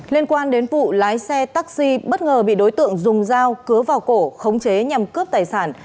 liên quan đến vụ lái xe taxi bất ngờ bị đối tượng dùng dao cứa vào cổ khống chế nhằm cướp tài sản